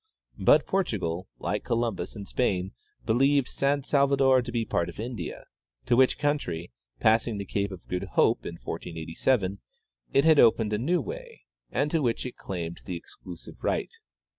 But Portugal, like Columbus and Spain, believed San Salvador to be part of India, to which country, passing the cape of Good Hope, in 1487, it had opened a new way, and to which it claimed the exclusive right.